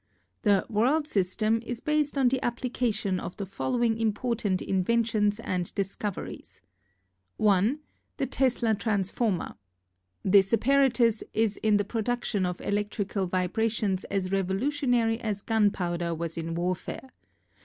"The 'World System' is based on the applica tion of the following important inventions and discoveries: "1. The 'Testa Transformer.' This apparatus is in the production of electrical vibrations as revolutionary as gunpowder was in warfare.